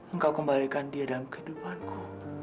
engkau kembalikan dia dalam kehidupanku